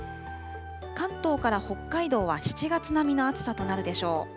関東から北海道は７月並みの暑さとなるでしょう。